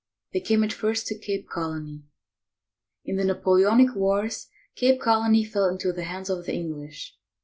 They came at first to Cape Colony. In the Napoleonic wars, Cape Colony fell into the hands of the English.